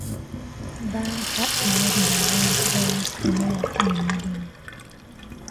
Bbanka ewadde abantu ba West Nile emirimu .